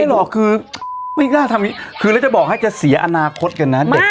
ไม่หรอกคือไม่กล้าทำนี้คือแล้วจะบอกให้จะเสียอนาคตกันน่ะ